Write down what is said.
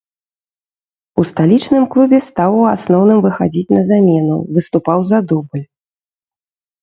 У сталічным клубе стаў у асноўным выхадзіць на замену, выступаў за дубль.